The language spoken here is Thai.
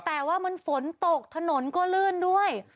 แต่ว่ามันฝนตกถนนก็ลื่นด้วย